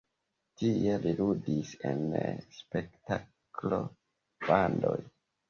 Tie li ludis en spektaklo-bandoj.